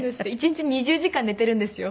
１日２０時間寝てるんですよ。